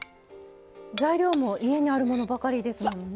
材料も家にあるものばかりですもんね。